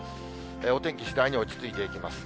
お天気、次第に落ち着いていきます。